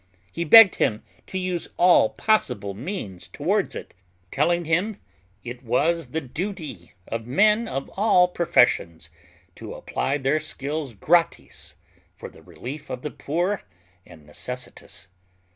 He begged him to use all possible means towards it, telling him, "it was the duty of men of all professions to apply their skill gratis for the relief of the poor and necessitous."